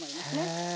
へえ。